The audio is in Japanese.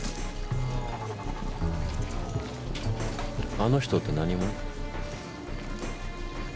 あの人って何者？